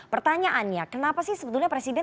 pertanyaannya kenapa sih sebetulnya presiden